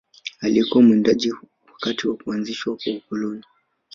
Aliyekuwa mwindaji wakati wa kuanzishwa kwa ukoloni